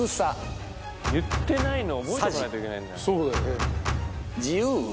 言ってないの覚えとかないといけないんだ。